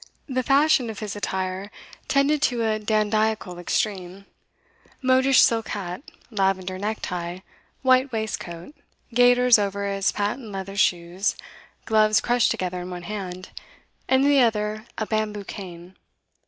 The fashion of his attire tended to a dandiacal extreme, modish silk hat, lavender necktie, white waistcoat, gaiters over his patent leather shoes, gloves crushed together in one hand, and in the other a bamboo cane.